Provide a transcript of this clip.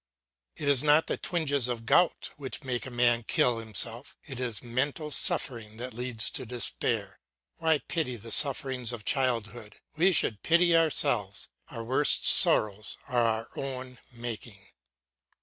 It is not the twinges of gout which make a man kill himself, it is mental suffering that leads to despair. We pity the sufferings of childhood; we should pity ourselves; our worst sorrows are of our own making.